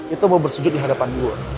itu mau bersujud di hadapan iur